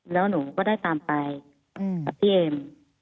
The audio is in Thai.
แล้วหนูก็ได้ตามไปกับพี่เอ็ม